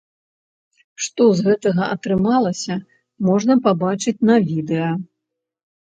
Што з гэтага атрымалася, можна пабачыць на відэа.